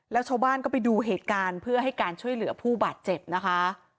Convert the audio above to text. แล้วชาวบ้านก็ไปดูเหตุการณ์เพื่อให้การช่วยเหลือผู้บาดเจ็บนะคะ